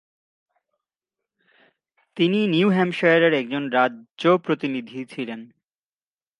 তিনি নিউ হ্যাম্পশায়ারের একজন রাজ্য প্রতিনিধি ছিলেন।